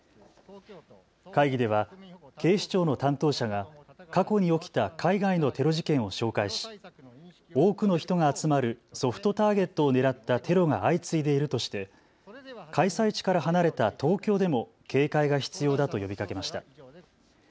会議では警視庁の担当者が過去に起きた海外のテロ事件を紹介し、多くの人が集まるソフトターゲットを狙ったテロが相次いでいるとして開催地から離れた東京でも警戒が必要だと呼びかけました。